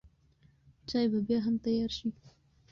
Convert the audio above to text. چای به بیا هم تیار شي.